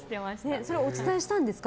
それ、お伝えしたんですか？